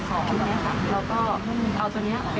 เป็นแม่ทีมหนูก็จะเป็นตัวแทนของแม่ทีมเนี้ยอย่างเช่น